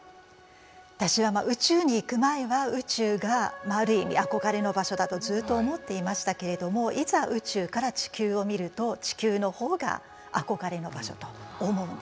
私は宇宙に行く前は宇宙がある意味憧れの場所だとずっと思っていましたけれどもいざ宇宙から地球を見ると地球のほうが憧れの場所と思うんですね。